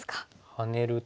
ハネると。